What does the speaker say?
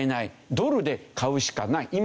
ドルで買うしかない今はね。